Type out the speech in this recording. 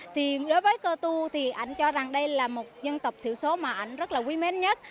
đối với cơ tu thì anh cho rằng đây là một dân tộc thiểu số mà anh rất là quý mến nhất